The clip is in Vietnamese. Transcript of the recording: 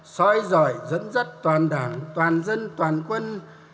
soi dọi dẫn dắt toàn đảng toàn dân toàn quân